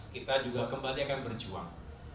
kita juga kembali akan berjuang